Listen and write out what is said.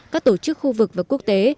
các tổ chức khu vực và quốc tế